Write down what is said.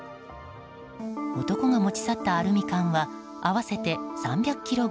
男が持ち去ったアルミ缶は合わせて３００ｋｇ。